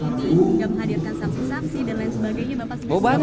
tidak menghadirkan saksi saksi dan lain sebagainya